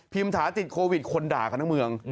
พิมทาติดโควิดคนด่ากับน้องเมือง